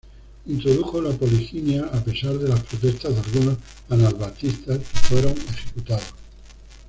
Introdujo la poliginia a pesar de las protestas de algunos anabaptistas, que fueron ejecutados.